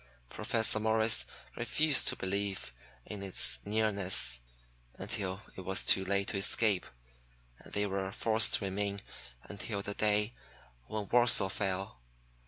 Professor Morris refused to believe in its nearness until it was too late to escape, and they were forced to remain until the day when Warsaw fell.